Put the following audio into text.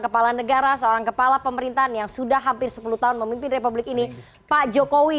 kepala negara seorang kepala pemerintahan yang sudah hampir sepuluh tahun memimpin republik ini pak jokowi